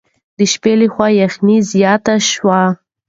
د شپې له خوا یخني زیاته شوه.